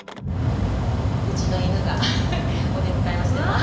うちの犬がお出迎えをしてます。